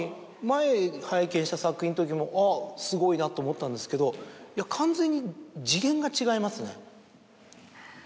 前拝見した作品のときもあっすごいなと思ったんですけど完全に。